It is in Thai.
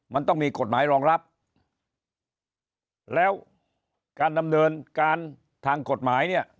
มันต้องมีกฎหมายรองรับแล้วการดำเนินการทางกฎหมายเนี่ย